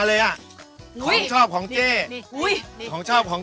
นี่ละทลาดนี้ดีอย่างมาเป็นตลาดสตร์นะ